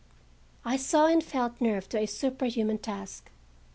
I saw and felt nerved to a superhuman task.